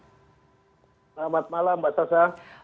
selamat malam mbak sajaw